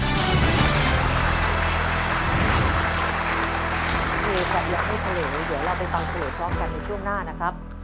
น้องเมย์จะเลือกให้ทะเลเดี๋ยวเราไปฟังทะเลเพราะกันในช่วงหน้านะครับ